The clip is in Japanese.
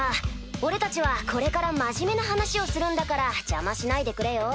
俺たちはこれから真面目な話をするんだから邪魔しないでくれよ？